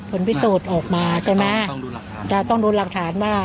ผลพิสูจน์ออกมาใช่ไหมจะต้องดูรักฐานจะต้องดูรักฐานว่า